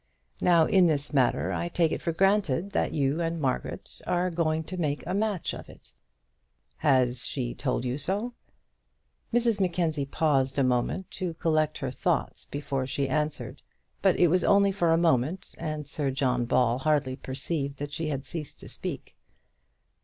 Now, in this matter, I take it for granted that you and Margaret are going to make a match of it " "Has she told you so?" Mrs Mackenzie paused a moment to collect her thoughts before she answered; but it was only for a moment, and Sir John Ball hardly perceived that she had ceased to speak.